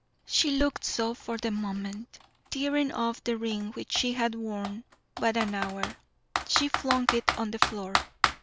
She looked so for the moment. Tearing off the ring which she had worn but an hour, she flung it on the floor.